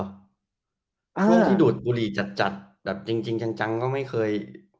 ช่วงที่ดูดบุหรี่จัดแบบจริงจังก็ไม่เคย